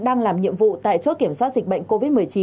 đang làm nhiệm vụ tại chốt kiểm soát dịch bệnh covid một mươi chín